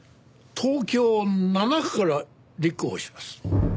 東京７区から立候補します。